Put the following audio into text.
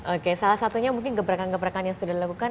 oke salah satunya mungkin gebrakan gebrakan yang sudah dilakukan